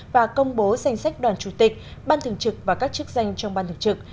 và công bố danh sách đoàn chủ tịch ban thường trực và các chức danh trong ban thường trực